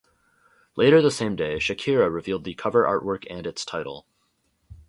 Later the same day Shakira revealed the cover artwork and its title.